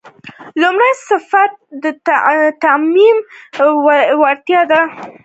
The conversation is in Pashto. لومړی صفت د تعمیم وړتیا ده.